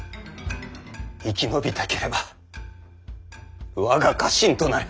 生き延びたければ我が家臣となれ。